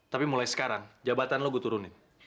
tapi mulai sekarang jabatan lo gue turunin